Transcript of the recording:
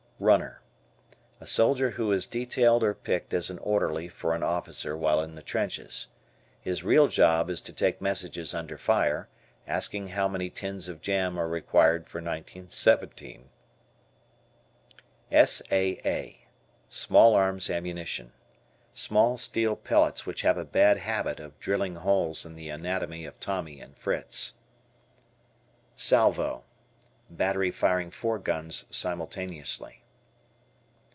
Runner. A soldier who is detailed or picked as an orderly for an officer while in the trenches. His real job is to take messages under fire, asking how many tins of jam are required for 1917. S S.A.A. Small Arms Ammunition. Small steel pellets which have a bad habit of drilling holes in the anatomy of Tommy and Fritz. Salvo. Battery firing four guns simultaneously.